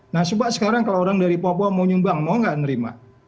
nah coba sekarang kalau orang dari papua mau nyumbang mau nggak nerima